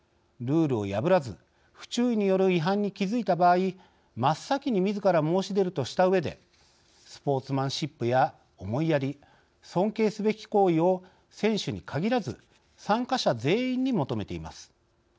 ルールを破らず不注意による違反に気づいた場合真っ先に自ら申し出る」としたうえでスポーツマンシップや思いやり尊敬すべき行為を、選手に限らず参加者全員に求めています。